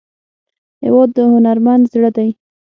هېواد د هنرمند زړه دی.